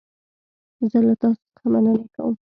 زه له تاسو څخه مننه کوم.